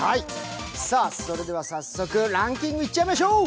それでは早速、ランキングいっちゃいましょう。